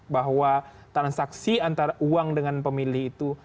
bahwa transaksi antara uang dengan pemilih itu